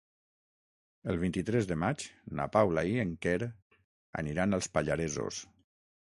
El vint-i-tres de maig na Paula i en Quer aniran als Pallaresos.